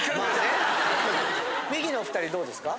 ミキのお２人どうですか？